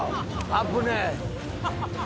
危ねえ！